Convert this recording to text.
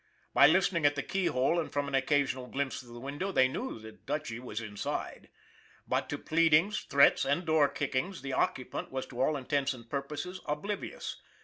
By listening at the keyhole, and from an occasional glimpse through the window, they knew that Dutchy was inside. But to pleadings, threats, and door kickings the occupant was, to all intents and purposes, oblivi ous.